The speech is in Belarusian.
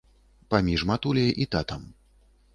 Паміж матуляй і татам.